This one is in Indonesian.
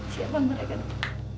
siapa mereka dok